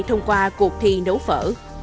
thông qua cuộc thi nấu phở